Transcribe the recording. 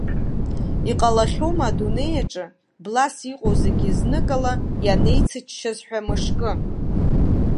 Иҟалахьоума адунеи аҿы, блас иҟоу зегь зныкала ианеицыччаз ҳәа мышкы?!